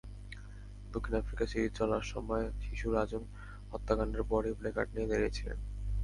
দক্ষিণ Africa series চলার সময় শিশু রাজন হত্যাকাণ্ডের পরই প্ল্যাকার্ড নিয়ে দাঁড়িয়েছিলেন।